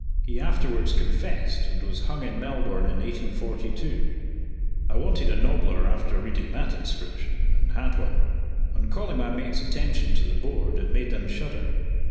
He afterwards confessed, and was hung in Melbourne in 1842." I wanted a nobbler after reading that inscription, and had one. On calling my mates' attention to the board, it made them shudder.